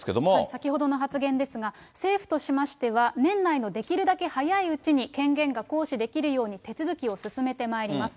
先ほどの発言ですが、政府としましては、年内のできるだけ早いうちに権限が行使できるように手続きを進めてまいります。